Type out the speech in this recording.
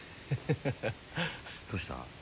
どうした？